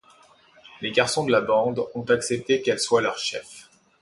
Les garçons de la bande ont accepté qu'elle soit leur chef.